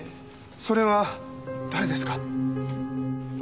それは誰ですか？